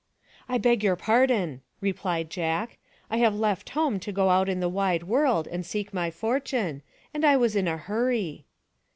" I beg your pardon," replied Jack. " I have left home to go out in the wide world and seek my fortune, and I was in a hurry."